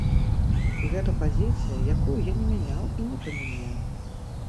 Гэта пазіцыя, якую я не мяняў і не памяняю.